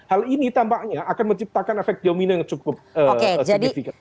hal ini tampaknya akan menciptakan efek dominan yang cukup signifikan